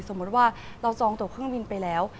สมมุติว่าเราซองตัวเครื่องบินไปแล้ว